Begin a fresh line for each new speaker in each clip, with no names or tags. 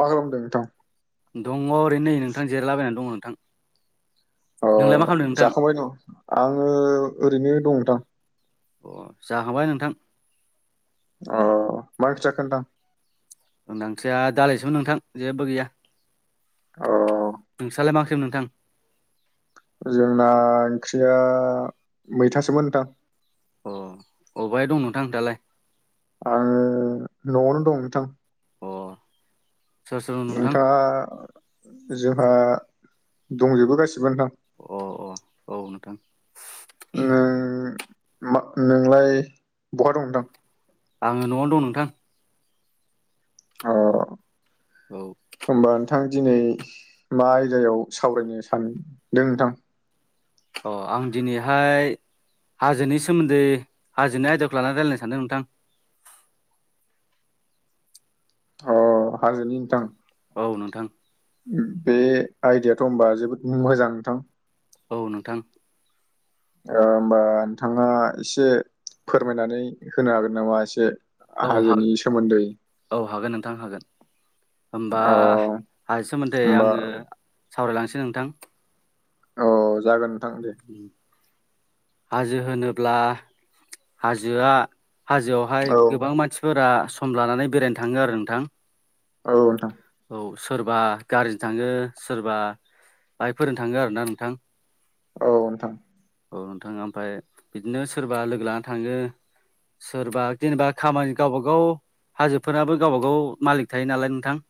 मा खालामदों नोंथां?
दङ ओरै नै नोंथां जिरलाबायनानै दङ नोंथां।
अ
नोंलाय मा खालामदों नोंथां
जाखांबाय द' आङो ओरैनो दं नोंथां
अ जाहांबाय नोंथां।
अ मा ओंख्रि नोंथां?
जोंना ओंख्रिया दालिसोमोन नोंथां जेबो गैया
औ
नोंसालाय मा ओंख्रिमोन नोंथां?
जोंना ओंख्रिया मैथासोमोन नोंथां।
अ अबेयाय दं नोंथां दालाय
आङो न'आवनो दं नोंथां।
अ सोर सोर दं नोंथां
नोंथाङा जोंहा दंजोबो गासिबो नोंथां।
अ अ औ नोंथां।
नों मा नोंलाय बहा दंदां
आङो न'आवनो दं नोंथां।
अ
औ
हबा नोंथां दिनै मा आयदायाव सावरायनो सानदों नोंथां।
अ आं दिनैहाय हाजोनि सोमोन्दै हाजोनि आयदाखौ लानानै रायजलायनो सानदों नोंथां।
अ हाजोनि नोंथां।
औ नोंथां
बे आइदिियाथ' होनबा जोबोद मोजां नोंथां
औ नोंथां।
होमबा नोंथाङा एसे फोरमायनानै होनो हागोन नामा एसे
औ हा
हाजोनि सोमोन्दै
औ हागोन नोंथां हागोन हबा
अ
हाय सोमोन्दै
होमबा
आङो सावरायलांसै नोंथां।
अ जागोन। नोंथां दे
उम हाजो होनोब्ला हाजोआ हाजोआवहाय
औ
गोबां मानसि फोरा सम लानानै बेरायनो थाङो आरो नोंथां।
औ नोंथां।
औ सोरबा गारिजों थाङो सोरबा बाइकफोरजों थाङो आरोना नोंथां।
औ नोंथां।
औ नोंथाङा ओमफफ्राय बिदिनो सोरबा लोगो लाना थाङो। सोरबा जेनेबा खामानि गावबा गाव हाजोफोराबो गावबाागाव मालिक थायो नालाय नोंथां।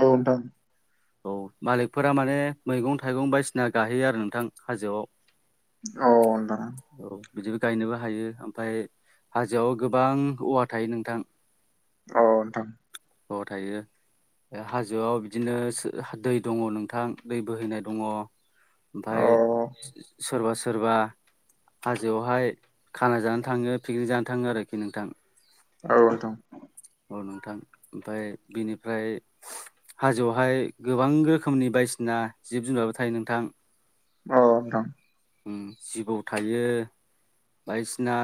औ नोंथां।
औ मालिकफोरा माने मैगं थाइगं बायदिसिना गाहैयो आरो नोंथां हाजोआव
औ [inaudible]
औ बिदिबो गायनोबो हायो ओमफ्राय हाजोआव गोबां औवा थायो नोंथां।
औ नोंथां
अ थायो। हाजोआव बिदिनो दै दङ नोंथां दै बोहैनाय दङ।
औ
ओमफ्राय सोरबा सोर सोरबा हाजोआवहाय खाना जानो थाङो पिकनिक जानो थाङो आरोखि नोंथां।
औ नों थां
औ नोंथां ओमफफ्राय बिनिफ्राय हाजोआवहाय गोबां रोखोमनि बायदिसिना जिब जुनाराबो थायो नोंथां
औ दं
जिबौ थायो बायदिसिना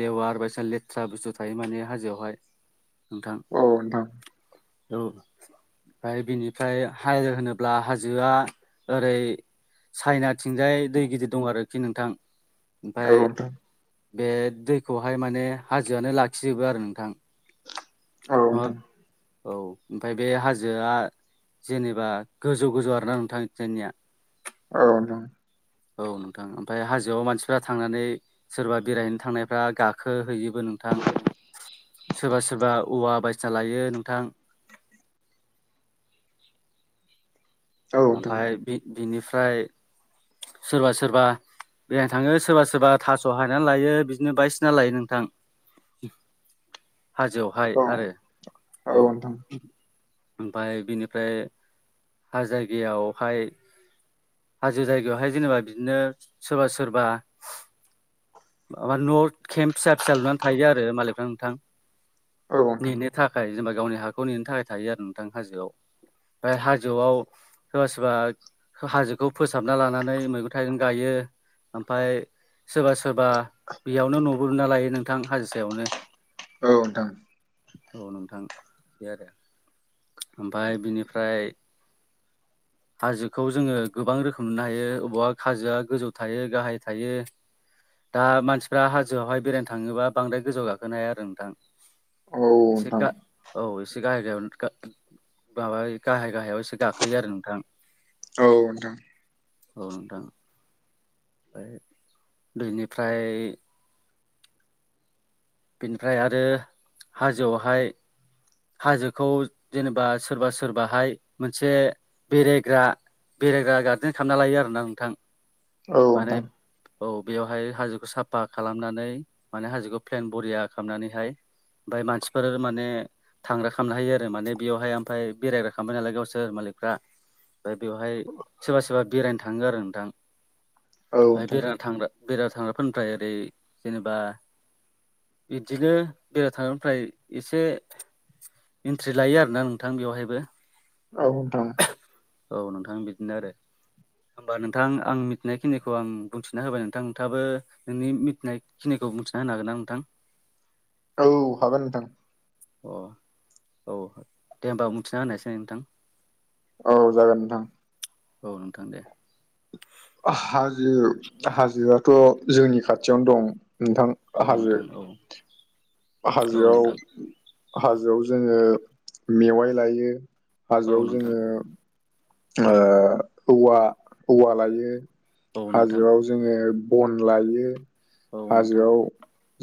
लेवार बायदिसिना लेथ्रा बुस्थु थायो माने हाजोआवहाय नोंथां
औ नों थां
औ ओमफ्राय बिनिफ्राय हाजो होनोब्ला हाजोआ ओरै सायनाथिंजाय दै गिदिर दं आरोखि नोंथां
औ
ओमफफ्राय
नोंथां
बे दैखौहाय माने हाजोआनो लाखिजोबो आरो नोंथां
औ नोंथां औ नोंथां
आरो औ ओमफ्राय बे हाजोआ जेनेबा गोजौ गोजौ आरोना नोंथां जोंनिया
औ नोंथां
औ नोंथां ओमफफ्राय हाजोआव मानसिफ्रा थांनानै सोरबा बेरायहैनो थांनायफ्रा गाखो हैैयो नोंथां सोरबा सोरबा औवा बायसिना लायो नोंथां ओमफफ्राय बिनिफ्राय सोरबा सोरबा बेरायनो थाङो सोरबा सोरबा थास' हनानै लायो बिदिनो बायसिना लायो नोंथां हाजोआवहाय आरो औ ओमफफ्राय बिनिफ्राय हाजाय बेयावहाय हाजो जायगायावहाय जेनेबा बिदिनो सोरबा सोरबा माबा न' केम फिसा फिसा लुनानै थायो आरो मालायफ्रा नोंथां
औ नोंथां
नेनो थाखाय जेनेबा गावनि हाखौ नेनो थाखाय थायो आरो नोंथां हाजोआव ओमफ्राय हाजोआव सोरबा सोरबा हाजो फोसाबना लानानै मैगं थाइगं गायो ओमफ्राय सोरबा बा बेयावनो न'बो लुना लायो नोंथां हाजोसायावनो
औ नोंथां
औ नोंथां बे आरो ओमफफ्राय बिनिफ्राय
[unintelligible]
हाजोखौ जोङो गोबां रोखोम नुनो हायो अबावबा हाजोआ गोजौ थायो गाहाय थायो दा मानसिफ्रा हाजोआवहाय बेरायनो थाङोबा बांद्राय गोजौ गाखोनो हाया आरो नोंथां एसे
औ
गा औसे एसे गाहाय गाहायाव माब गाहाय गाहायाव एसे गाखोयो आरो नोंथां
औ नोंथां
औ नोंथां ओमफ्राय बेनिफ्राय बिनिफ्राय आरो हाजोआवहाय हाजोखौ जेनेबा सोरबा सोरबाहाय मोनसे बेरायग्रा बेरायग्रा गारदेन खालामना लायो आरो ना नोंथां माने औ बेवहाय हाजोखौ साफा खालामनानै माने हाजोखौ प्लेन बरिया खालामनानैहाय ओमफ्राय मानसिफोर माने थांग्रा खालामनो हायो आरो माने बेयावहाय ओमफ्राय बेरायग्रा खालामामबाय नालाय गावसोर मालिकफ्रा ओमफ्राय बेवहाय सोरबा सोरबा बेरायनो थाङो आरो नोंथां बेहाय
नोंथां
बेरायना थांग्रा बेदाव थांग्राफोरनिफ्राय ओरै जेनेबा बिदिनो बेराय थांनायनिफ्राय एसे एन्ट्रि लायो आरोना नोंथां बेवहायबो
औथां
औ नोंथां बिदिनो आरो होमबा नोंथां आं मिथिनायखिनिखौ आं बुंथिना होबाय नोंथां नोंथाबो नोंनि मिथिनायखिनिखौ मिथिना होनो हागोन ना नोंथां
औ हागोन नोंथां
अ औ दे होमबा बुंथिना होनायसै नोंथां
औ जागोन नोंथां
औ नोंथां दे
हाजो हाजोआथ' जोंनि खाथियावनो दं नोंथां
औ
हाजो
नोंथां औ औ
हाजोआव
नोंथां
हाजोआव जोङो मेवाइ लायो
औ
हाजोआव
नोंथां
जोङो ओ औवा औवा लायो
औ नोंथां
हाजोआव जोङो बन लायो
औ नोंथां
हाजोआव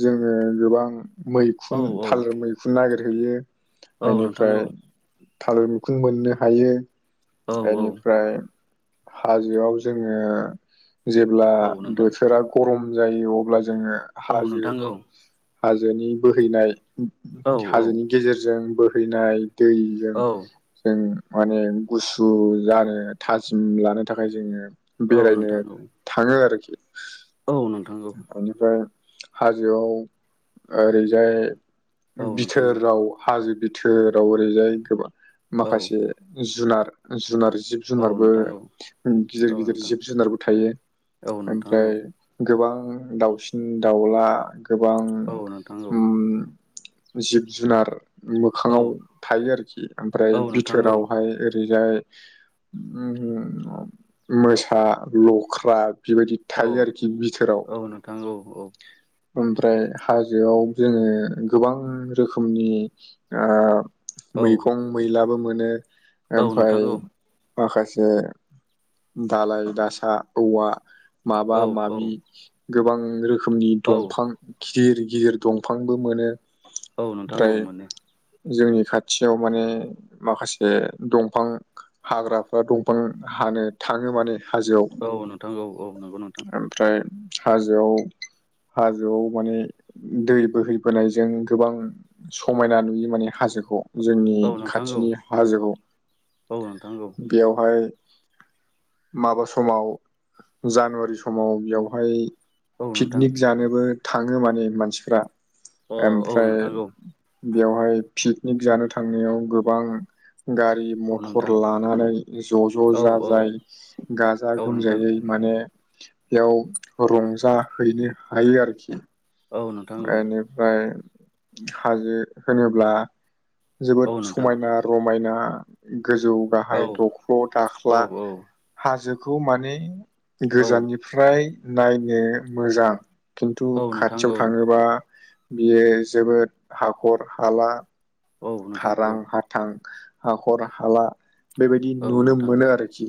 जोङो गोबां
औ
मैखुन
औ
थालिर मैखुन नागिरहैयो
औ नोंथां औ
बेनिफ्राय थालिर मैखुन मोननो हायो
औ औ
एनिफ्राय हाजोआव जोङो जेब्ला
औ नोंथां
बोथोरा गरम जायो अब्ला जोङो
औ
हाजो
नोंथां औ
हाजोनि बोहैनाय
औ औ
हाजोनि गेजेरजों बोहैनाय दै जों
औ
जों माने गुसु जानो थाजिम लानो थाखाय जोङो
औ
बेरायनो
नोंथां औ
थाङो आरोखि
औ न
बेनिफ्राय हाजोआव ओरैजाय
औ नोंथां औ नोंथां औ नोंथां औ
बिथोराव हाजो बिथोराव ओरैजाय गोबां माखासे जुनार जुनार जिब जुनारबो
नोंथां
गिदिर गिदिर जिब जुनारबो थायो
औ
ओमफ्राय गोबां दाउसिन दाउला गोबां
औ नोंथां औ
ओम जिब जुनार
औ
मोखाङाव थायो आरोखि ओमफ्राय
औ नोंथां औ नोंथां औ
बिथोरावहाय ओरैजाय ओम मोसा लख्रा बेबायदि
औ
थायो आरोखि बिथोराव
औ नोंथां औ
ओमफ्राय हाजोआव जोङो गोबां रोखोमनि ओ मैखं मैलाबो मोनो
औ
ओमफाय माखासे दालाय दासा औवा माबा माबि
औ
गोबां रोखोमनि दंफां गिदिर गिदिर दंफांबो मोनो
औ नोंथां औ
ओमफ्राय
मोनो
जोंनि खाथियाव माने माखासे दंफां हाग्राफ्रा दंफां हानो थाङो माने हाजोआव
औ नोंथां औ औ नंगौ नोंथां
ओमफ्राय हाजोआव हाजोआव माने दै बोहैबोनायजों गोबां समायना नुयो माने हाजोखौ जोंनि
औ नोंथां औ
खाथिनि हाजोआव
औ नोंथां औ
बेयावहाय माबा समाव जानुवारि समाव बेवहाय
औ नोंथां
पिकनिक जानोबो थाङो माने मानसिफ्रा
अ औ
ओमफ्राय
नोंथां औ
बेवहाय पिकनिक जानो थांनायाव गोबां गारि
औ
मथर
नोंथां
लानानै ज' ज'
औ औ
जाजाय गाजा
औ नोंथां
गोमजायै माने बेयाव रंजाहैनो हायो आरोखि
औ नोंथां
बेनिफ्राय हाजो होनोब्ला
औ
जोबोद
नोंथां
समायना रमायना गोजौ
औ
गाहाय दख्ल'
औ
दाख्ला हाजोखौ माने
औ
गोजाननिफ्राय नायनो मोजां खिन्थु
औ नोंथां
खाथियाव
औ
थाङोबा बियो जोबोद हाखर हाला
औ नोंथा
हारां हाथां हाखर हाला बेबायदि
औ
नुनो
नोंथां
मोनो आरोखि।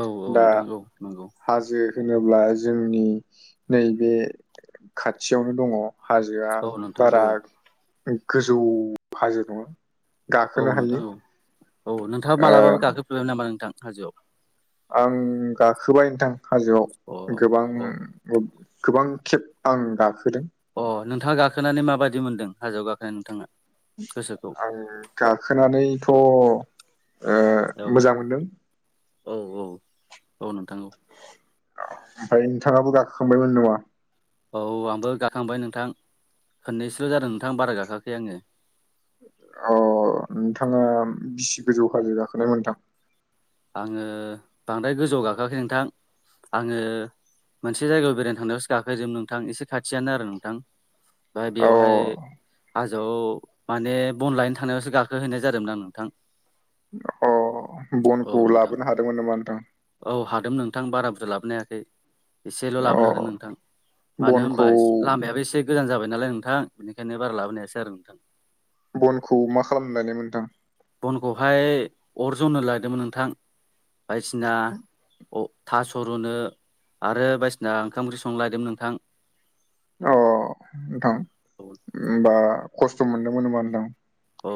औ
दा
नोंथां औ नंगौ
हाजो होनोब्ला जोंनि नैबे खाथियावनो दङ हाजोआ
औ नोंथां
बारा
औ
गोजौ हाजो नङा
औ
गाखोनो हायो
नोंथां औ-औ नोंथाङा
ओ
मालाबाबो गाखोफेरबाय नामा नोंथां हाजोआव?
आं गाखोबाय नोंथां
अ
हाजोआव
अ
गोबां। गोबां खेब आं गाखोदों।
अ नोंथाङा गाखोनानै माबायदि मोनदों हाजोआव गाखोनाय नोंथाङा? गोसोखौ
आं गाखोनानैथ' ओ मोजां मोनदों।
औ-औ-औ नोंथां औ।
ओमफ्राय नोंथाङाबो गाखोखांबायमोन नामा?
औ आंबो गाखांबाय नोंथां खोननैसोल' जादों नोंथां बारा गाखाखै आङो।
अ नोंथाङा बिसि गोजौ हाजो जाखोनाय नोंथां?
आङो बांद्राय गोजौआव गाखोआखै नोंथां। आङो मोनसे जायगायाव बेरायनो थांनायावसो गाखोदोंमोन। नोंथां एसे खाथियानो आरो नोंथां। ओफ्राय
अ
बेवहाय हाजोआव माने बन लायनो थांनायावसो गाखोहैनाय जादोंमोन आं नोंथां।
अ
औ
बनखौ
नोंथां
लाबोनो हादोंमोन नामा नोंथां?
औ हादों नोंथां बारा बुरजा लाबोनायाखै। एसेल'
अ
लाबोनो हादों नोंथां। मानो
बनखौ
होनबा लामायाबो एसे गोजान जाबाय नालाय नोंथां बेनिखायनो बारा लाबोनायासै आरो नोंथां।
बनखौ मा खालाम लायनाय नोंथां?
बनखौहाय अरजनो लादोंमोन नोंथां। बायदिसिना अ थास' रुनो आरो बायदिसिना ओंखाम ओंख्रि संनोलायदों नोंथां।
अ' नोंथां
औ
होबा खस्थ' मोनदोंमोन होमबा नोंथां?
औ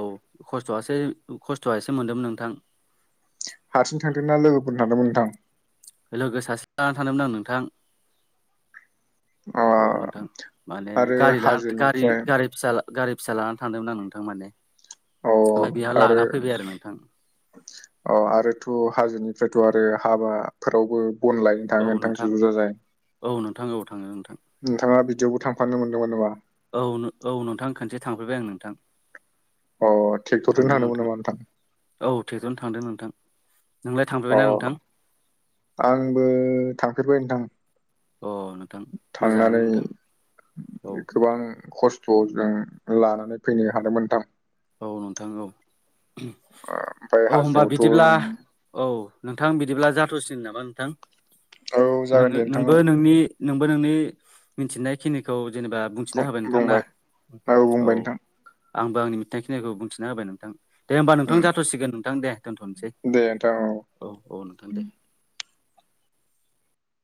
खस्थयासो' खस्थ'आ एसे मोन्दोंमोन नोंथां।
हारसिं थांदों ना लोगोफोरजों थांदोंमोन नोंथां?
लोगो सासे लानानै थानमोन आं नोंथां।
अ
औ नोंथां माने
आरो
गारि लाना गारि
हाजोनिफ्राय
गारि फिसा गारि फिसा लानानानै थांदोंमोन आं नोंथां माने।
अ
ओमफफ्राय बेयाव
आरो
लाना फैबाय आरो नोंथां।
अ आरोथ' हाजोनिफ्रायथ' आरो हाबाफोरावबो बन लायो
औ नोंथां औ नोंथां औ थाङो नोंथां।
नोंथाङा बिदिआवबो थांफानो मोन्दोंमोन नामा?
औ-औ नोंथां खनसे थांफैरबाय आं नोंथां।
अ' थेक्टरजों थांदोंमोन नामा नोंथां?
औ थेक्टर थांदो नोंथां। नोंलाय
अ
थांफेरबायना नोंथां?
आंबो थांफेरबाय नोंथां।
अ' नोंथां मोजाङानो
थांनानै
नोंथां औ
गोबां खस्थ' जों लानानै फैनो हादोंमोनथां।
औ नोंथां औ-औ
ओमफ्राय
होनोमबा
हाजोआवथ'
बिदिब्ला औ नोंथां बिदिब्ला जाथ'सिन नामा नोंथां
औ
नों
जागोन दे नोंथां
नोंबो
औ
नोंनि नोंबो नोंनि मिथिनायखिनिखौ जेनेबा बुंथिना होबाय नोंथां ना?
बुंबाय बुंबाय
औ।
नोंथां
आंबो आंनि मिथखिनिखौ बुंथिना होबाय नोंथां। दे होमबा नोंथां जाथ'सिगोन नोंथां दे दोनथ'नोसै।
दे नोंथां औ
औ-औ नोंथां दे।